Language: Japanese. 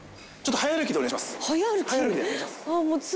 早歩きでお願いします。